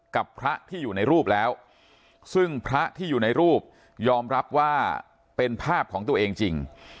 กับพระที่อยู่ในรูปแล้วซึ่งพระที่อยู่ในรูปยอมรับว่าเป็นภาพของตัวเองจริง